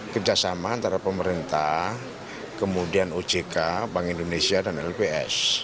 kerjasama antara pemerintah kemudian ojk bank indonesia dan lps